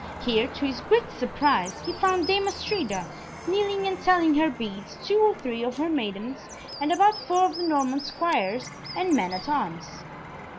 Here, to his great surprise, he found Dame Astrida, kneeling and telling her beads, two or three of her maidens, and about four of the Norman Squires and men at arms.